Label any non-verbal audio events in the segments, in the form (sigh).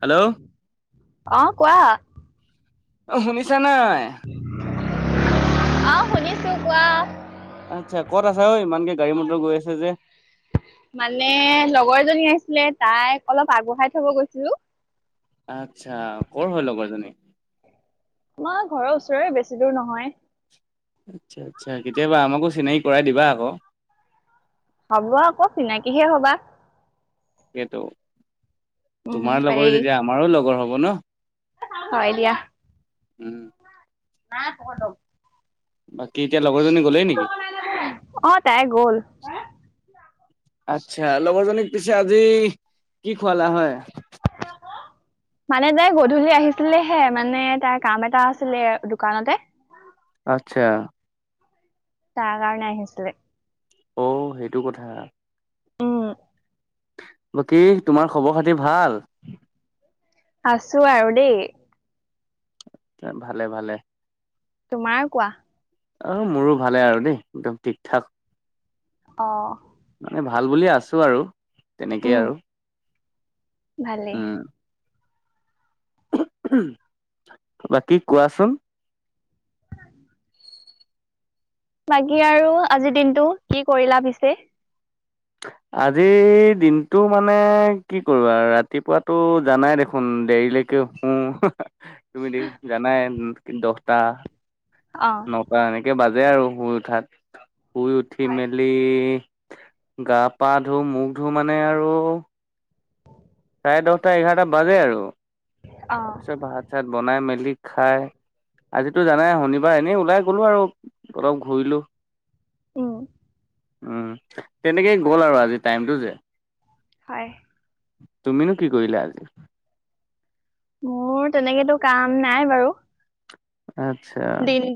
Hello অ কোৱা? অ শুনিছা না নাই? আহ শুনিছো কোৱা? আচ্ছা ক'ত আছ অঐ ইমানকে গাড়ী মটৰ গৈ আছে যে? মানে লগৰ জনী আহিছিলে তাইক অলপ আগবঢ়াই থব গৈছিলো। আচ্ছা, কৰ হয় লগৰজনী? মোৰ ঘৰৰ ওচৰৰে বেছি দূৰ নহয়। আচ্ছা আচ্ছা। কেতিয়াবা আমাকো চিনাকি কৰাই দিবা আক। হ'ব আক, চিনাকিহে হবা। সেইটো, উম তোমাৰ পাৰি লগৰ যেতিয়া আমাৰো লগৰ হব ন? হয় দিয়া। উম, (unintelligible) বাকী এতিয়া লগৰজনী গ'লেই নেকি? অ তাই গ'ল আচ্ছা। লগৰজনীক পিছে আজি কি খুৱালা হয়? (inaudible) মানে যে গধূলি আহিছিলেহে মানে তাইৰ কাম এটা আছিলে দোকানতে। আচ্ছা তাৰ কাৰণে আহিছিলে। অঁ সেইটো কথা। অ বাকী তোমাৰ খবৰ খাতি ভাল? আছো আৰু দেই। এ ভালে ভালে। তোমাৰ কোৱা? অ মোৰো ভালে আৰু দেই, একদম ঠিক ঠাক। অ মানে ভাল বুলিয়ে আছোঁ আৰু তেনেকেই আৰু। ভালে। উম, বাকী কোৱাচোন। বাকী আৰু আজিৰ দিনটো কি কৰিলা পিছে? আজিৰ দিনটো মানে কি কৰো আৰু ৰাতিপুৱাতো জানাই দেখোন দেৰিলৈকে কে খুও তুমি দেশ জানাই দহটা অ'। (unintelligible) এনেকে বাজে আৰু শুই উঠাত, শুই উঠি হয় মেলি গা পা ধু মুখ ধু মানে আৰু (inaudible) চাৰে দহটা এঘাৰটা বাজে আৰু, অ তাৰপিছত ভাত চাত বনাই মেলি খাই আজিতো জানাই শনিবাৰ এনেই ওলাই গলো আৰু অলপ ঘূৰিলো। উম। উম, তেনেকেই গ'ল আৰু আজি টাইমটো যে। হয়। তুমিনো কি কৰিলা আজি। মোৰ তেনেকেতো কাম নাই বাৰু। আচ্ছা।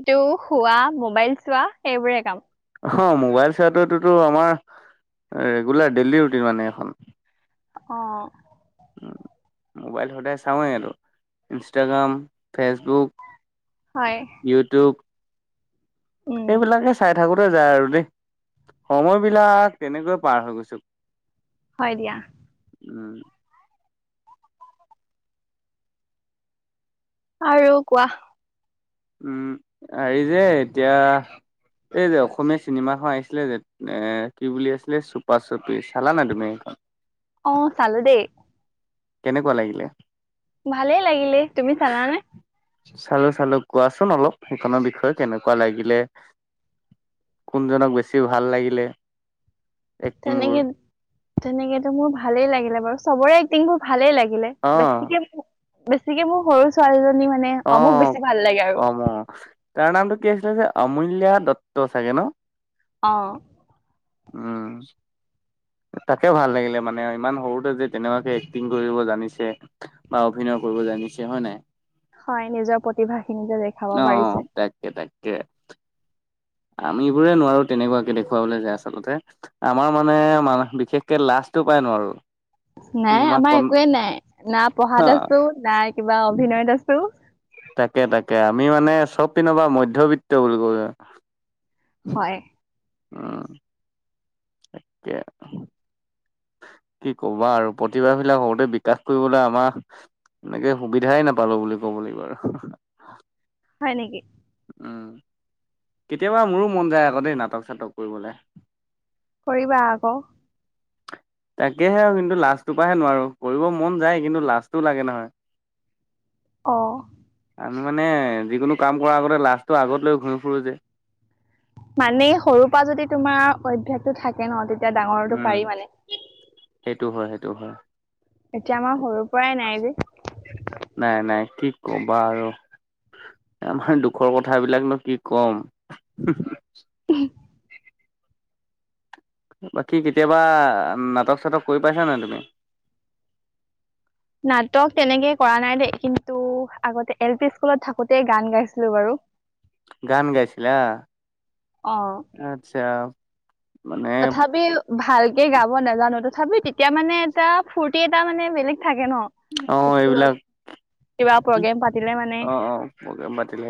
তেওঁ খোৱা মোবাইল চোৱা সেইবোৰে কাম। অ' মোবাইল চোৱাটোতো আমাৰ ৰেগুলাৰ ডেইলি ৰুটিন মানে এখন। অ'। উম, মোবাইল সদায় চাওঁৱেই আৰু ইনষ্টাগ্ৰাম ফেচবুক, হয় ইউটিউব উম সেইবিলাকে চাই থাকোতে যায় আৰু দেই, সময় বিলাক কেনেকৈ পাৰ হৈ গৈছ। হয় দিয়া। উম। আৰু কোৱা। উম, আই যে এতিয়া এই যে অসমীয়া চিনেমাখন আহিছিলে যে এ কি বুলি আছিলে চুপা চুপি চালা নাই তুমি? অ' চালো দেই। কেনেকোৱা লাগিলে? ভালে লাগিলে তুমি চালানে? চালো চালো, কোৱাচোন অলপ সেইখনৰ বিষয়ে কেনেকোৱা লাগিলে। কোনজনক বেছি ভাল লাগিলে। এক্টিংবোৰ তেনেকে তেনেকেতো মোৰ ভালেই লাগিলে বাৰু চবৰে এক্টিংবোৰ ভালেই লাগিলে। অ বেছিকে বেছিকে মোৰ সৰু ছোৱালীজনী মানে অমুক বেছি ভাল লাগে আৰু। অ'। অম তাৰ নামটো কি আছিলে যে আমূল্যা দত্ত চাগে ন'। অ'। উম। তাকে ভাল লাগিলে মানে ইমান সৰুতে যে তেনেকুৱাকে এক্টিং কৰিব জানিছে। বা অভিনয় কৰিব জানিছে হয় নে নাই? হয় নিজৰ প্ৰতিভা খিনি যে দেখাব অ পাৰিছে। তাকে তাকে। তাকে। আমিবোৰে নোৱাৰো তেনেকুৱাকে দেখুৱাবলৈ যে আচলতে। আমাৰ মানে মান বিশেষকে লাজটো পায় নোৱাৰোঁ। নাই আমাৰ একোৱে নাই, না হা পঢ়াত আছো, নাই কিবা অভিনয়ত আছো। তাকে তাকে, আমি মানে চব পিনৰ বা মধ্যবিত্ত বুলি কব হয়। উম। তাকেহেনো। কি কবা আৰু প্ৰতিভাবিলাক সৰুতে বিকাশ কৰিবলৈ আমাক এনেকে সুবিধাই নাপালো বুলি ক'ব লাগিব আৰু। হয় নিকি? উম, কেতিয়াবা মোৰো মন যায় আকৌ দেই নাটক - চাটক কৰিবলে। কৰিবা আকৌ। তাকেহে আৰু কিন্তু লাজটোৰ পৰাহে নোৱাৰো, কৰিব মন যায় কিন্তু লাজটো লাগে নহয়? অ (unintelligible) আমি মানে যিকোনো কাম কৰাৰ আগতে লাজটো আগত লৈ ঘূৰি ফুৰোঁ যে? মানে সৰুৰ পৰা যদি তোমাৰ অভ্যাসটো থাকে ন তেতিয়া ডাঙৰটো উম পাৰি মানে। সেইটো হয় সেইটো হয়। এতিয়া আমাৰ সৰুৰ পৰাই নাই যে? নাই নাই কি ক'বা আৰু আমাৰ দুখৰ কথাবিলাক ন কি কম উহ উ? উহ। বাকী কেতিয়াবা নাটক - চাটক কৰি পাইছা নে তুমি? নাটক তেনেকে কৰা নাই দেই কিন্তু আগতে এল পি স্কুলত থাকোতে গান গাইছিলো বাৰু। গান গাইছিলা? অ আচ্ছা। মানে তথাপি ভালকে গাব নাজানো তথাপি তেতিয়া মানে এটা ফূৰ্তি এটা মানে বেলেগ থাকে ন? অ এইবিলাক (inaudible) কিবা প্ৰগ্ৰেম পাতিলে মানে। প্ৰগ্ৰাম পাতিলে,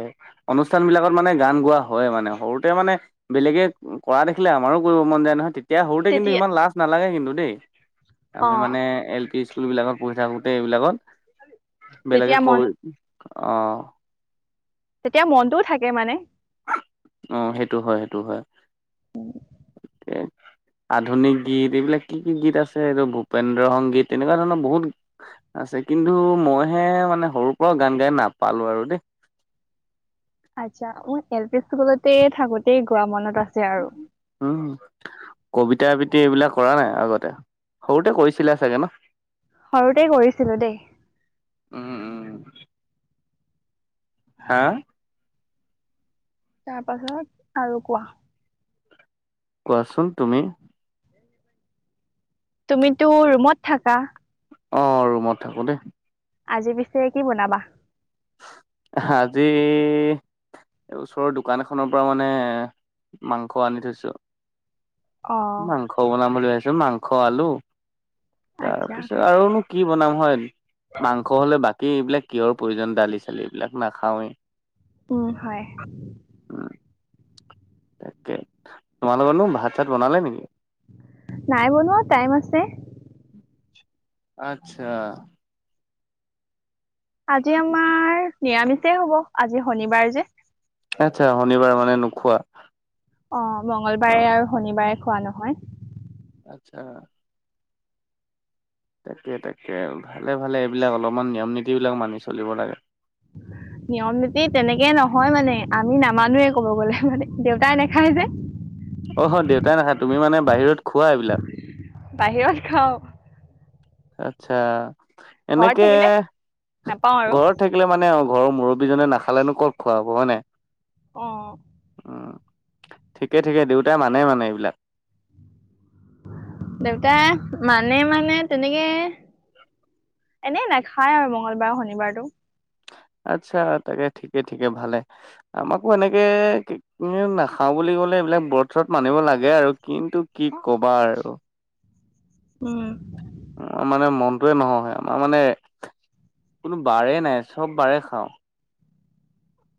অনুষ্ঠানবিলাকত মানে গান গোৱা হয় মানে সৰুতে মানে বেলেগে ক কৰা দেখিলে আমাৰো কৰিব মন যায় নহয় তে তিয়া সৰুতে কিন্তু তেতিয়া ইমান লাজ নালাগে কিন্তু দেই, অ আমি মানে এল পি স্কুলবিলাকত পঢ়ি থাকোঁ তে এইবিলাকত, বেলেগে তেতিয়া মন খবি অ। তেতিয়া মনটোও থাকে মানে। অ সেইটো হয় সেইটো হয়। এ আধুনিক গীত এইবিলাক কি কি গীত আছে এইটো ভূপেন্দ্ৰ সংগীত তেনেকুৱা ধৰণৰ বহুত আছে কিন্তু মইহে মানে সৰুৰ পৰাও গান গাই নাপালোঁ আৰু দেই। আচ্ছা, মোৰ এল পি স্কুলতে থাকোতেই গোৱা মনত আছে আৰু। উম, কবিতা আবৃত্তি এইবিলাক কৰা নাই আগতে, সৰুতে কৰিছিলা চাগে ন? সৰুতে কৰিছিলোঁ দেই। উম উম হা? তাৰ পাছত আৰু কোৱা? কোৱাচোন তুমি? তুমিতো ৰুমত থাকা? অঁ ৰুমত থাকোঁ দেই। আজি পিছে কি বনাবা? আহা আজি এই ওচৰৰ দোকান এখনৰ পৰা মানে মাংস আনি থৈছোঁ। অ' মাংস বনাম বুলি ভাবিছো মাংস আলু, আচ্ছা। তাৰপিছত আৰুন কি বনাম হয়। মাংস হ'লে বাকী এইবিলাক কিহৰ প্ৰয়োজন দালি চালি এইবিলাক নাখাওৱেই। উম হয়। উম। তাকে, তোমালোকৰনো ভাত চাত বনালে নেকি? নাই বনোৱা, টাইম আছে। আচ্ছা। আজি আমাৰ, নিৰামিষেই হ'ব, আজি শনিবাৰ যে। আচ্ছা, শনিবাৰ মানে নোখোৱা? অ', অ মংগলবাৰে আৰু শনিবাৰে খোৱা নহয়। আচ্ছা। তাকে তাকে, ভালে ভালে, এইবিলাক অলপমান নিয়ম নীতিবিলাক মানি চলিব লাগে। (inaudible) নিয়ম নীতি তেনেকে নহয় মানে, আমি নামানোৱে ক'ব গলে, মানে দেউতাই নেখায় যে। অহ দেউতাই নাখাই, তুমি মানে বাহিৰত খোৱা এইবিলাক। বাহিৰত খাওঁ। আচ্ছা, ঘৰত এনেকে, থাকিলে নাপাওঁ আৰু। ঘৰত থাকিলে মানে আৰু ঘৰৰ মুৰব্বীজনে নাখালেনু ক'ত খোৱা হ'ব হয় নাই? অ'। উম, ঠিকে ঠিকে, দেউতাই মানে মানে এইবিলাক। দেউতাই, মানে মানে তেনেকে এনেই নাখাই আৰু মংগলবাৰ শনিবাৰটো। আচ্ছা তাকে ঠিকে ঠিকে ভালে, আমাকো এনেকে এনে নাখাওঁ বুলি ক'লে এইবিলাক ব্ৰত চ্ৰত মানিব লাগে আৰু, কিন্তু কি কবা আৰু। উম। অ' মানে মনটোৱে নসহে, আমাৰ মানে, কোনো বাৰে নাই চব বাৰে খাওঁ।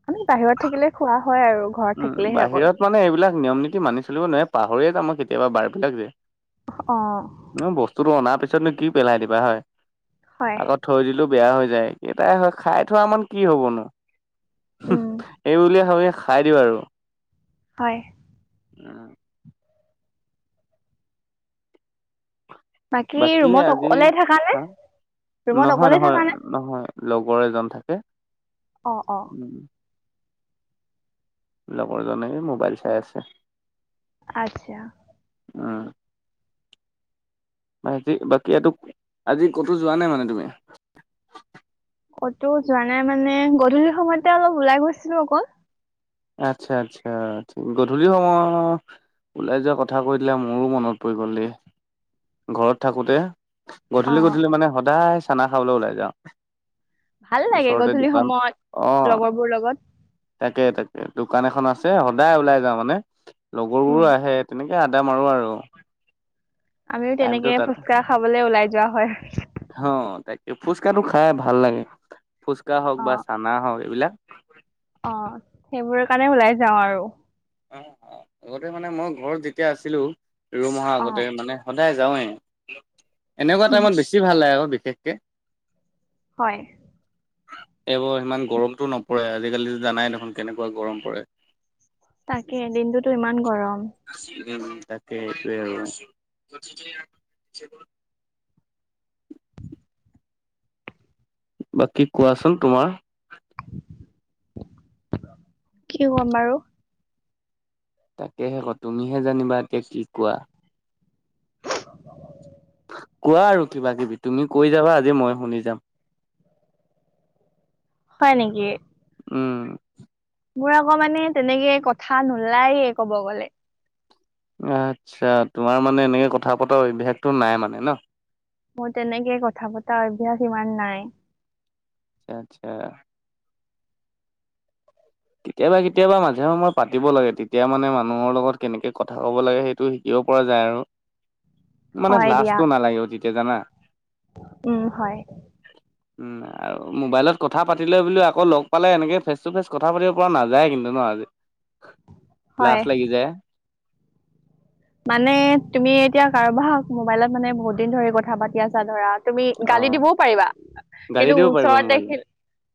মানে বাহিৰত থাকিলে খোৱা হয় আৰু। ঘৰত উম থাকিলেহে অকল বাহিৰত মানে এইবিলাক নিয়ম নীতি মানি চলিব নোৱাৰে পাহৰিয়ে যাওঁ মই কেতিয়াবা বাৰবিলাক যে। অ'। নহ বস্তুটো অনাৰ পিছতনো কি পেলাই দিবা হয়। হয়। আকৌ থৈ দিলেও বেয়া হৈ যায়, একেটাই হয় খাই থোৱা মান কি হ'ব নু। উম এইবুলিয়ে ভাবি খাই দিওঁ আৰু। হয়। উম। বাকী ৰুমত আজি, অকলে থাকা নে হা, ৰুমত নহয় অকলে থাকা নহয়, নে নহয়। লগৰ এজন থাকে। অঁ' অঁ'। উম লগৰজনে এই মোবাইল চাই আছে। আচ্ছা। উম। আজি, বাকী এটো, আজি ক'তো যোৱা নাই মানে তুমি? কতো যোৱা নাই মানে, গধূলি সময়তে অলপ ওলাই গৈছিলো অকল। আচ্ছা-আচ্ছা' অঁ' গধূলি সময়ৰ ওলাই যোৱা কথা কৈ দিলে মোৰো মনত পৰি গ'ল দেই, ঘৰত থাকোতে। গধূলি অঁ গধূলি মানে সদায় চানা খাবলৈ ওলাই যাওঁ। ভাল লাগে ওচৰতে গধূলি সময়ত লগৰ বোৰ লগত তাকে-তাকে, দোকান এখন আছে সদায় ওলাই যাওঁ মানে লগৰবোৰো উম আহে। তেনেকে আদ্দা মাৰো আৰু। আমিও টাইমটো তেনেকে ফুচকা খাবলে ওলাই যোৱা হয়। অঁ, তাকে, ফুচকাটো খাই ভাল লাগে। ফুচকা হওক বা চানা হওক এইবিলাক। অ, সেইবোৰ কাৰণে ওলাই যাওঁ আৰু। অঁ অঁ, আগতে মানে মই ঘৰত যেতিয়া আছিলো ৰোম অহা আগতে মানে- সদায় যাওঁৱেই। এনেকুৱা অঁ টাইমত বেছি ভাল লাগে বিশেষকে। হয়। এইবোৰ ইমান গৰমটো নপৰে, আজিকালিতো জানাই দেখোন কেনেকুৱা গৰম পৰে। তাকে, দিনটোতো ইমান গৰম। উমঁ', তাকে, এইটোৱেই আৰু। বাকী কোৱাচোন তোমাৰ? কি ক'ম বাৰু? তাকেহে ক' তুমিহে জানিবা এতিয়া কি কোৱা। কোৱা আৰু কিবা কিবি, তুমি কৈ যাবা আজি মই শুনি যাম। হয় নেকি? উমঁ'। মোৰ আকৌ মানে তেনেকে কথা নোলায়ে ক'ব গ'লে। আচ্ছা' তোমাৰ মানে এনেকে কথা পতা অভ্যাসটো নাই মানে ন? মোৰ তেনেকে কথা পতা অভ্যাস ইমান নাই। আচ্ছা'। কেতিয়াবা কেতিয়াবা মাজে সময় পাতিব লাগে। তেতিয়া মানে মানুহৰ লগত কেনেকে কথা ক'ব লাগে সেইটো শি কিব পৰা যায় আৰু মানে হয় দিয়া লাজটো নালাগিব তেতিয়া জানা। উম, হয়। উমঁ' আৰু মোবাইলত কথা পাতিলে বোলো আকৌ লগ পালে এনেকে ফেচ তো ফেচ কথা পাতিব পৰা নাযায় কিন্তু ন' আজি, হয় লাজ লাগি যায়। মানে তুমি এতিয়া কাৰোবাক মোবাইলত মানে বহুত দিন ধৰি কথা পাতি আছা ধৰা তুমি অ গালি দিবও পাৰিবা গালি কিন্তু দিব পাৰিব ওচৰত দেখি, মোবাইলত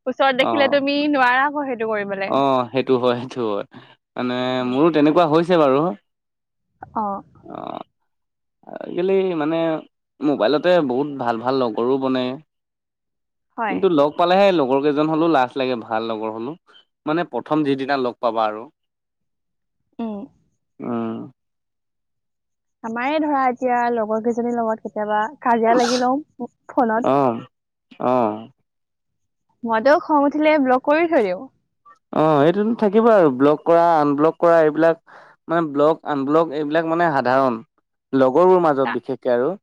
ওচৰত দেখিলে তুমি নোৱাৰা আকৌ সেইটো। কৰিবলৈ অঁ, সেইটো হয় সেইটো হয় মানে মোৰো তেনেকুৱা হৈছে বাৰু। অঁ। অঁ। আজিকালি মানে মোবাইলতে বহুত ভাল-ভাল লগৰো বনে। হয় কিন্তু লগ পালেহে লগৰ কেইজন হ'লেও লাজ লাগে ভাল লগৰ হলো। মানে প্ৰথম যিদিনা লগ পাবা আৰু। উমঁ'। উম আমাৰে ধৰা এতিয়া লগৰ কেইজনীৰ লগত কেতিয়াবা কাজিয়া লাগি লওঁ ফোনত। অ অ মইতো খং উথিলে ব্লক কৰি থৈ দিওঁ। অঁ, এইটোতো থাকিব আৰু ব্লক কৰা আনব্লক কৰা এইবিলাক মানে ব্লক আনব্লক এইবিলাক মানে সাধাৰণ। লগৰবোৰ মাজত বিশেষকে আৰু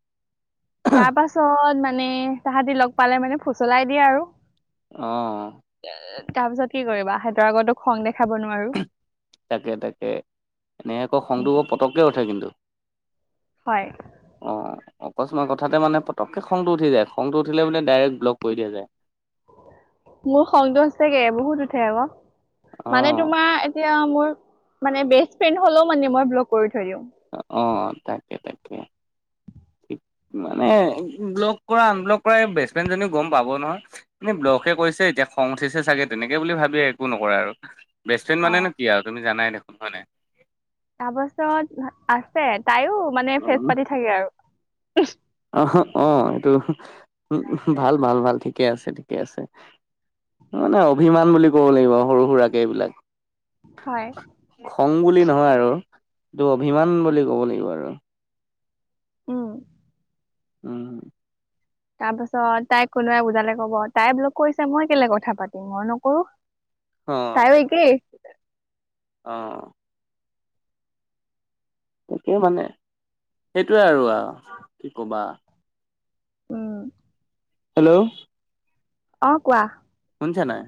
তাৰ পাছত মানে তাহাঁতি লগ পালে মানে ফুচলাই দিয়ে আৰু অ, এ এ তাৰ পিছত কি কৰিবা সিহঁতৰ আগতো খং দেখাব নোৱাৰো তাকে-তাকে এনেকৈ খংতু বৰ পতককৈ উঠে কিন্তু হয়, অ, অকস্মাত কথাতে মানে পটকে খংটো উঠি যায় খংটো উঠিলে বোলে ডাইৰেক্ট ব্লক কৰি দিয়া যায় মোৰ খংটো সচাগে বহুত উঠে আক অ মানে তোমাৰ এতিয়া মোৰ মানে বেষ্ট ফ্ৰেণ্ড হলেও মানে মই ব্লক কৰি থই দিওঁ অ অ তাকে তাকে মানে ব্লক কৰা আনব্লক কৰা বেষ্টফ্ৰেণ্ড জনীও গম পাব নহয়। এনে ব্লকেহে কৰিছে এতিয়া খং উঠিছে চাগে তেনেকে বুলি ভাবি একো নকৰে আৰু বেষ্ট ফ্ৰেণ্ অ মানে কি আৰু তুমি জাই দেখোন হয় নাই তাৰপাছত আছে তাইও মানে ফেজ পাতি থাকে আৰু অহ অ এইটো উ ভাল ভাল ভাল ঠিকে আছে ঠিকে আছে মানে অভিমান বুলি ক'ব লাগিব সৰু সুৰাকৈ এইবিলাক হয় খং বুলি নহয় আৰু এইটো অভিমান বুলি ক'ব লাগিব আৰু উম উম তাৰ পাছত তাইক কোনোৱাই বুজালে কব তাই ব্লক কৰিছে মই কেলে কথা পাতিম মই নকৰো। অ, তাইও একেই তাকে-তাকে অ, তাকে মানে সেইটোয়ে আৰু কি কবা উ হেল্লৌ' অ কোৱা শুনিছা নাই